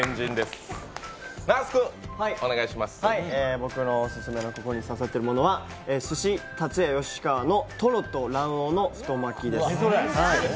僕のオススメの心に刺さっているものは鮨たつ也よしかわのトロと卵黄の太巻きです。